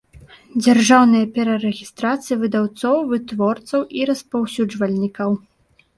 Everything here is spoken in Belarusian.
Дзяржаўная перарэгiстрацыя выдаўцоў, вытворцаў i распаўсюджвальнiкаў